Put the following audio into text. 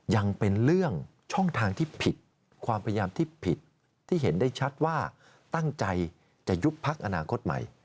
ยังเป็นเรื่องช่องทางที่ผิดความพยายามที่ผิดที่เห็นได้ชัดว่าตั้งใจจะยุบพักอนาคตใหม่